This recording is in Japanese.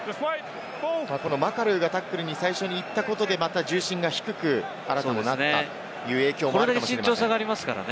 マカルーがタックルに行ったことで、また重心が低くアラタもなったという影響もあったかもしれません。